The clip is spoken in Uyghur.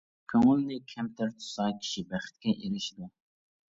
-كۆڭۈلنى كەمتەر تۇتسا كىشى بەختكە ئېرىشىدۇ.